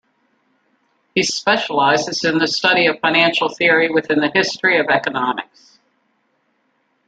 He specializes in the study of financial theory within the history of economics.